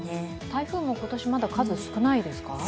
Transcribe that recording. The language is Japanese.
台風も今年、まだ数が少ないですか。